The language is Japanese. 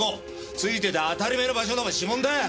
付いてて当たり前の場所の指紋だよ！